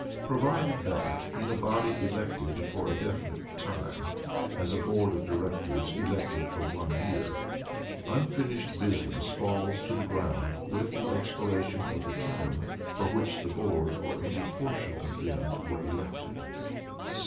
Provided, that, in a body elected for a definite time (as a board of directors elected for one year), unfinished business falls to the ground with the expiration of the term for which the board or any portion of them were elected.